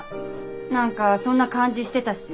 何かそんな感じしてたし。